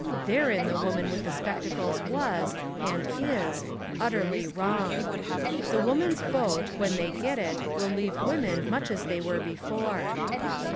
Therein the woman with the specta cles was, and is, utterly wrong. The women's vote, when they get it, will leave women much as they were before.